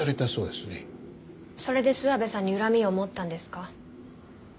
それで諏訪部さんに恨みを持ったんですか？